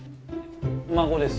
孫です。